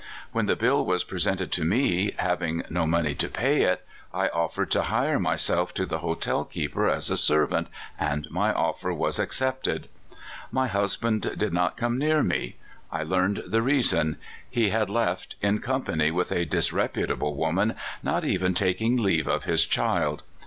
AVhen the bill was presented to me, having 36 A Woman of the Early Days. no money to pay it, I offered to hire myself tc the hotel keeper as a servant, and my offer was accepted. My husband did not come near me. 1 learned the reason : he had left, in company with a disreputable woman, not even taking leave of his child.